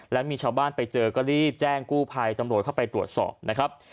แล้วมีชาวบ้านไปเจอก็รีบแจ้งกู้ภัยตำรวจเข้าไปตรวจสอบนะครับ